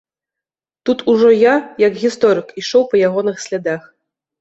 Тут ужо я, як гісторык, ішоў па ягоных слядах.